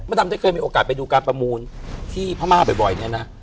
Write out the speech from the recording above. ดำได้เคยมีโอกาสไปดูการประมูลที่พม่าบ่อยเนี่ยนะ